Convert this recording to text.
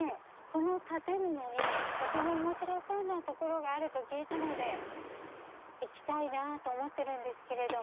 この建物にとても面白そうな所があると聞いたので行きたいなと思ってるんですけど。